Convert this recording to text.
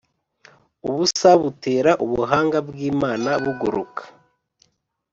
ubusa butera ubuhanga bw'imana buguruka